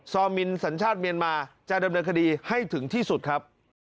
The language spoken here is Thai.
อมินสัญชาติเมียนมาจะดำเนินคดีให้ถึงที่สุดครับ